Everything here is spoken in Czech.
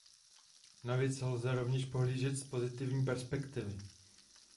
Na věc lze rovněž pohlížet z pozitivní perspektivy.